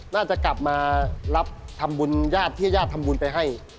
น่าจะกลับมารับทำบุญญาติที่ญาติทำบุญไปให้